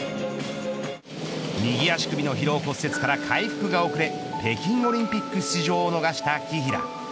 右足首の疲労骨折から回復が遅れ北京オリンピック出場を逃した紀平。